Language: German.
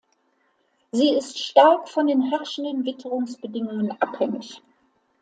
Sie ist stark von den herrschenden Witterungsbedingungen abhängig.